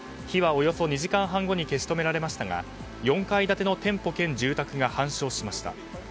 火はおよそ２時間半後に消し止められましたが４階建ての店舗兼住宅が半焼しました。